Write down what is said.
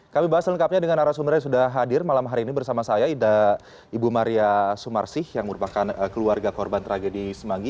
kami bahas lengkapnya dengan arah sumber yang sudah hadir malam hari ini bersama saya ida ibu maria sumarsih yang merupakan keluarga korban tragedi semanggi